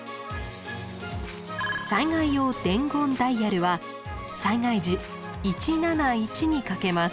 災害用伝言ダイヤルは災害時１７１にかけます。